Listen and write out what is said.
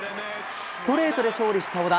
ストレートで勝利した小田。